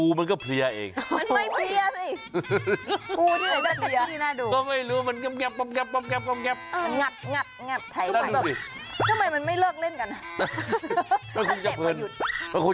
ทำไมมันไม่เลิกเล่นกัน